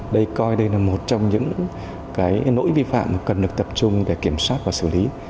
đây coi đây là một trong những lỗi vi phạm cần được tập trung để kiểm soát và xử lý